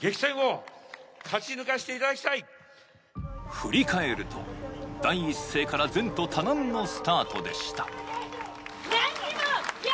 振り返ると第一声から前途多難のスタートでした。